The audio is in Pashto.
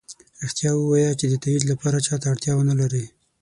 ریښتیا ؤوایه چې د تایید لپاره چا ته اړتیا ونه لری